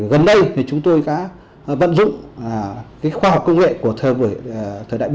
gần đây thì chúng tôi đã vận dụng khoa học công nghệ của thời đại bốn